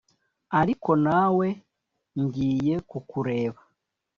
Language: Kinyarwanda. ariko nawe ngiye kukureba